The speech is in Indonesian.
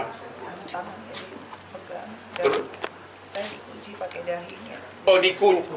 saya di kunci pakai dahinya